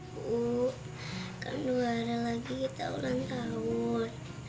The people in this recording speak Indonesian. bu kan dua hari lagi kita ulang tahun